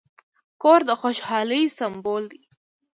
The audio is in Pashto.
کور د خوشحالۍ سمبول دی.